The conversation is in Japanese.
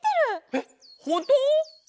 えっほんとう？